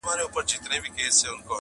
مبارک دي سه فطرت د پسرلیو-